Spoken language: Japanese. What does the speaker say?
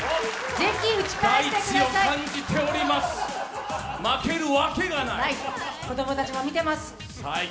是非打ち返してください。